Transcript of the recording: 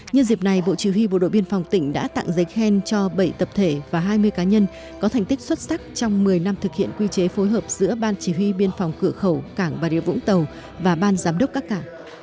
nhân dịp này bộ chỉ huy bộ đội biên phòng tỉnh đã tặng giấy khen cho bảy tập thể và hai mươi cá nhân có thành tích xuất sắc trong một mươi năm thực hiện quy chế phối hợp giữa ban chỉ huy biên phòng cửa khẩu cảng bà rịa vũng tàu và ban giám đốc các cảng